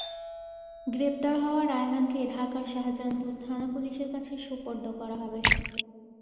গ্রেপ্তার হওয়া রায়হানকে ঢাকার শাহজাহানপুর থানা পুলিশের কাছে সোপর্দ করা হবে।